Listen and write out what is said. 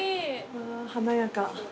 華やか。